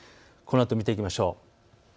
このあと見ていきましょう。